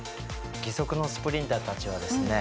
義足のスプリンターたちはですね